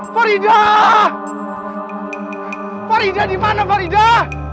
faridah dimana faridah